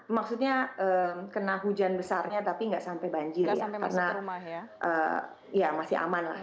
maksudnya kena hujan besarnya tapi nggak sampai banjir ya karena ya masih aman lah